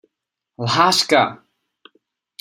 Lhářka!